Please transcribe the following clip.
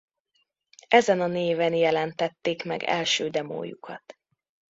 Ezen a néven jelentették meg első demójukat.